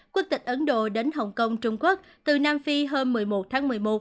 quốc tịch ấn độ đến hồng kông trung quốc từ nam phi hôm một mươi một tháng một mươi một